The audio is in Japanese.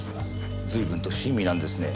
随分と親身なんですね